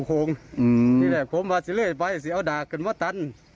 ที่แหละผมว่าซิเลืฟซ์ไปซิเอาดากเนี่ยกันว่าตั้น